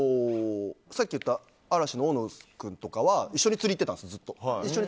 さっき言った嵐の大野君とかは一緒に釣りに行ってたんですよ。